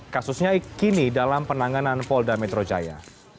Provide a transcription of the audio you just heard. kasusnya kini dalam penanganan polda metro jaya